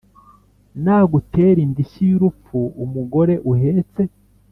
Nagutera indishyi y'urupfu-Umugore uhetse.